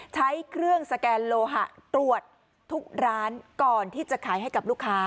ใช้เครื่องสแกนโลหะตรวจทุกร้านก่อนที่จะขายให้กับลูกค้า